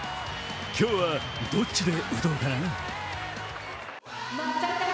今日はどっちで打とうかな。